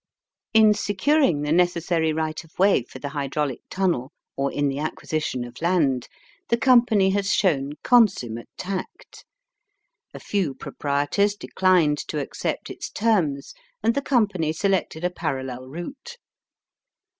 In securing the necessary right of way for the hydraulic tunnel or in the acquisitom of land, the Company has shown consummate tact. A few proprietors declined to accept its terms, and the Company selected a parallel route.